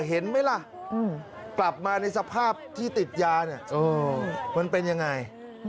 เห็นไหมล่ะกลับมาในสภาพที่ติดยาเนี่ยมันเป็นยังไง